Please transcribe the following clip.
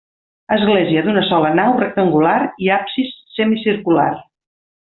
Església d'una sola nau rectangular i absis semicircular.